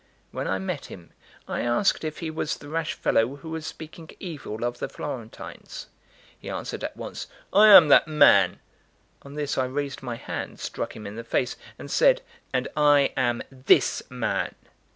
When I met him, I asked if he was the rash fellow who was speaking evil of the Florentines. He answered at once: "I am that man." On this I raised my hand, struck him in the face, and said: "And I am 'this' man."